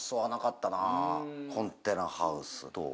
コンテナハウスどう？